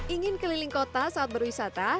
ingin keliling kota saat berwisata